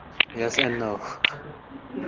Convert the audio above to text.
Uning yuzasini artib olsangiz bas